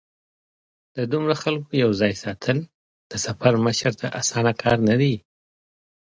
د دومره خلکو یو ځای ساتل د سفر مشر ته اسانه کار نه دی.